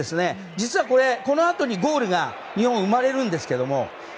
実はこれ、この後にゴールが日本に生まれるんですけども。